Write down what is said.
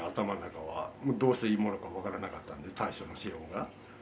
どうしていいものか分からなかったので、対処のしようが。